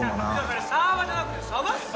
それサーバーじゃなくて鯖っすよ！